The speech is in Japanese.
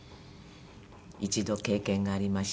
一度経験がありまして。